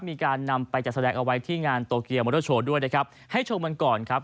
มีการนำไปจัดแสดงเอาไว้ที่งานโตเกียร์มอเตอร์โชว์ด้วยนะครับให้ชมกันก่อนครับ